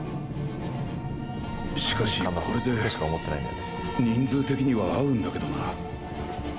しかしこれで人数的には合うんだけどな。